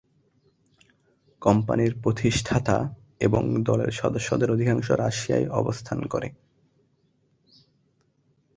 কোম্পানির প্রতিষ্ঠাতা এবং দলের সদস্যদের অধিকাংশ রাশিয়ায় অবস্থান করে।